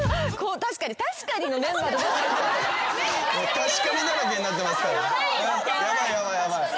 「確かに」だらけになってますから。